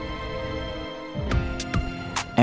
emang dah ayang kiki selalu aja ngarep